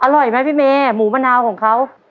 อร่อยไหมพี่เมย์หมูมะนาวของเขา